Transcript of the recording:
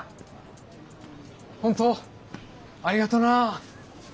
本当ありがとうな。